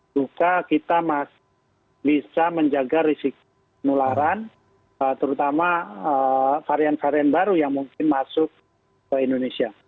juga kita masih bisa menjaga risiko penularan terutama varian varian baru yang mungkin masuk ke indonesia